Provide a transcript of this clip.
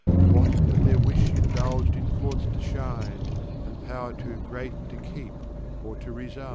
What but their Wish indulg' in Courts to shine, And Pow'r too great to keep or to resign?